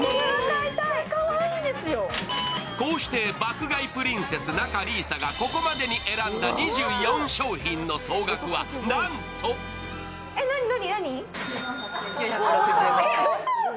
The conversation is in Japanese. こうして爆買いプリンセス仲里依紗がここまでに選んだ２５商品の総額は、なんと何、何？